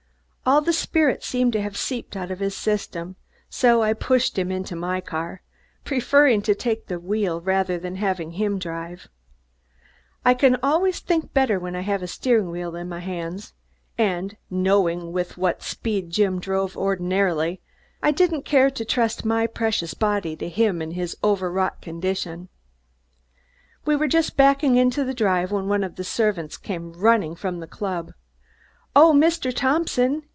All the spirit seemed to have seeped out of his system, so I pushed him into my car, preferring to take the wheel rather than have him drive. I can always think better when I have a steering wheel in my hands, and knowing with what speed Jim drove ordinarily, I didn't care to trust my precious body to him in his overwrought condition. We were just backing into the drive when one of the servants came running from the club. "Oh, Mr. Thompson!"